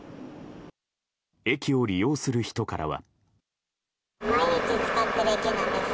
駅を利用する人からは。